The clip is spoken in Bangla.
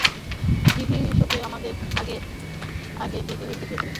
টিভি শোতে আমাদের আবেগী জিনিস দেখিয়েছ।